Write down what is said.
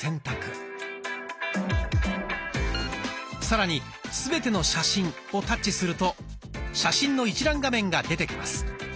さらに「すべての写真」をタッチすると写真の一覧画面が出てきます。